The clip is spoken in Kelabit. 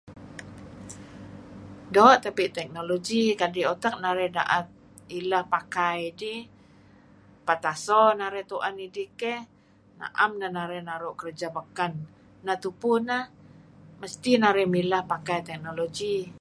Doo' tebe' technology kadi' utak narih da'et ileh pakai dih petaso narih tu'en idih keh, na'em neh narih naru' kerja beken. Neh tupu neh, mesti narih mileh pakai technology.